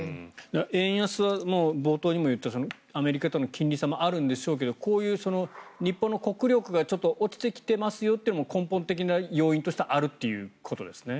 円安はもう冒頭でも言ったアメリカとの金利差もあるんでしょうけどこういう日本の国力がちょっと落ちてきていますよというのも根本的な要因としてあるということですね。